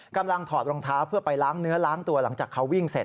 ถอดรองเท้าเพื่อไปล้างเนื้อล้างตัวหลังจากเขาวิ่งเสร็จ